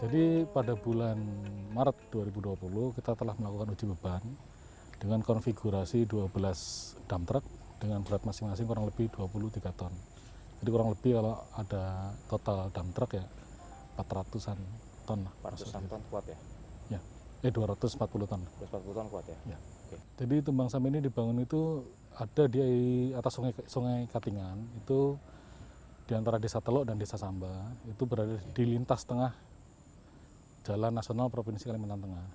di atas sungai katingan di antara desa telok dan desa samba itu berada di lintas tengah jalan nasional provinsi kalimantan tengah